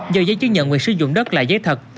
do giấy chứng nhận quyền sử dụng đất là giấy thật